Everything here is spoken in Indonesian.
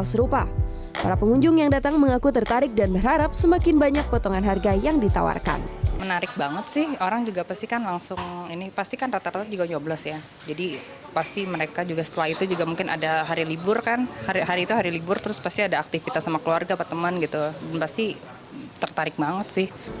selain objek wisata berbagai gerai makanan dan minuman di kota bandung turut serta memilih